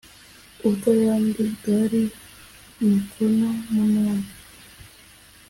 ubw’ayandi bwari mikono munani